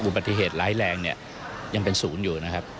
ปฏิเหตุร้ายแรงเนี่ยยังเป็นศูนย์อยู่นะครับ